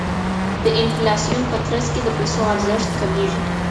د انفلاسیون په ترڅ کې د پیسو ارزښت کمیږي.